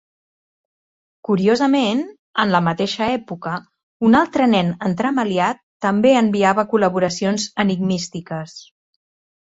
Curiosament, en la mateixa època, un altre nen entremaliat també enviava col·laboracions enigmístiques.